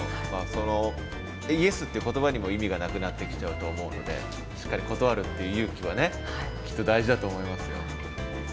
そのイエスっていう言葉にも意味がなくなってきちゃうと思うのでしっかり断るって勇気はねきっと大事だと思いますよ。